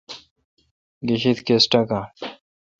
گہ شید کس ٹاکان۔